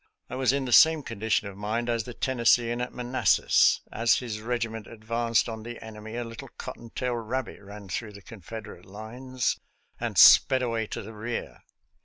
I was in the same condition of mind as the Tennesseean at Manassas. As his regiment GAINES' MILL 59 advanced on the enemy a little cotton tail rabbit ran through the Confederate lines and sped away to the rear.